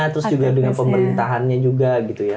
terus juga dengan pemerintahannya juga gitu ya